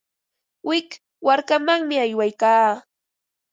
Wik markamanmi aywaykaa.